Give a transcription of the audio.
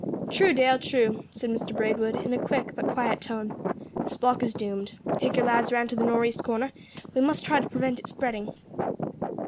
"True, Dale, true," said Mr Braidwood, in a quick, but quiet tone; "this block is doomed. Take your lads round to the nor' east corner; we must try to prevent it spreading."